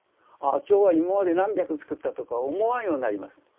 ああ今日は今まで何百作ったとか思わんようになります。